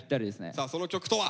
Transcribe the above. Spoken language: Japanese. さあその曲とは？